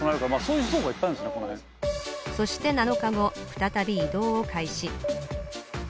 そして７日後再び移動を開始